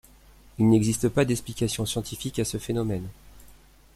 Il n'existe pas d'explication scientifique à ce phénomène.